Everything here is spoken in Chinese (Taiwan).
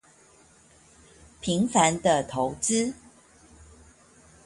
平凡的投資